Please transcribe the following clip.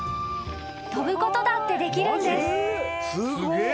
［飛ぶことだってできるんです］